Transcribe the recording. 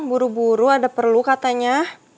buru buru ada perlu katanya